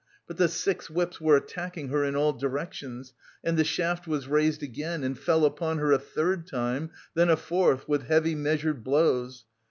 But the six whips were attacking her in all directions, and the shaft was raised again and fell upon her a third time, then a fourth, with heavy measured blows.